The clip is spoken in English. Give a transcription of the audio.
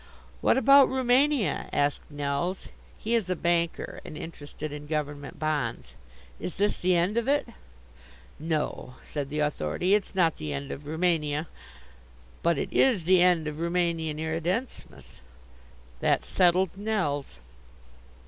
"What about Rumania," asked Nelles he is a banker and interested in government bonds "is this the end of it?" "No," said the Authority, "it's not the end of Rumania, but it is the end of Rumanian Irridentismus." That settled Nelles.